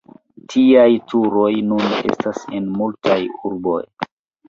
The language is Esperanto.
Tiaj turoj nun estas en multaj urboj.